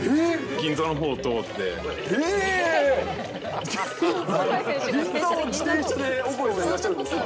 銀座、銀座を自転車でオコエさん、いらっしゃるんですか？